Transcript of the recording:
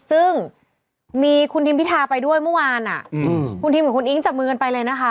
ซึ่งมีคุณทิมพิธาไปด้วยเมื่อวานคุณทิมกับคุณอิ๊งจับมือกันไปเลยนะคะ